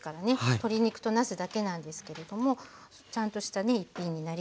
鶏肉となすだけなんですけれどもちゃんとしたね一品になりますよね。